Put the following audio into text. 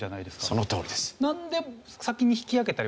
そのとおりです。